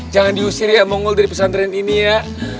jangan diusir ya mongol dari pesan tren ini ya